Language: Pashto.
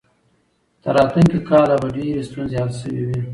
تر راتلونکي کاله به ډېرې ستونزې حل شوې وي.